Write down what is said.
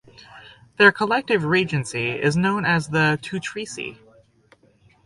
Their collective regency is known as the "Tutrici".